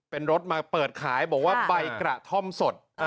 เป็นรถมาเปิดขายบอกว่าใบกระท่อมสด